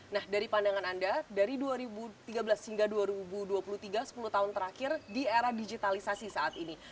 nah dari pandangan anda dari dua ribu tiga belas hingga dua ribu dua puluh tiga sepuluh tahun terakhir di era digitalisasi saat ini